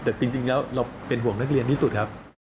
แต่จริงแล้วเราเป็นห่วงนักเรียนที่สุดครับ